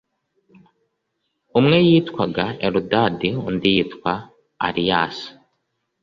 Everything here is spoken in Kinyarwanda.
Umwe yitwaga Eludadi undi yitwa aliyasi